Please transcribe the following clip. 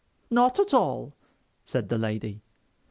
"Not at all," said the lady.